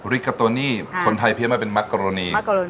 ริกาโตนี่คนไทยเพี้ยมาเป็นมักกรณี